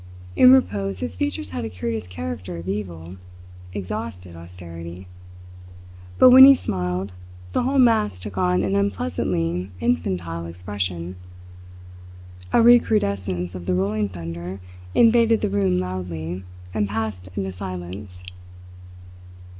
In repose his features had a curious character of evil, exhausted austerity; but when he smiled, the whole mask took on an unpleasantly infantile expression. A recrudescence of the rolling thunder invaded the room loudly, and passed into silence.